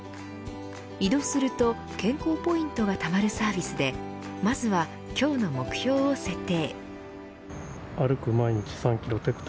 移動すると健康ポイントがたまるサービスでまずは、今日の目標を設定。